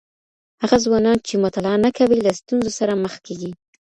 هغه ځوانان چي مطالعه نه کوي، له ستونزو سره مخ کیږي.